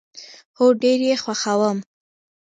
هو، ډیر یي خوښوم